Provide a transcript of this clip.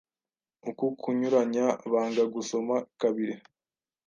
uku kunyuranya banga gusoma kabiri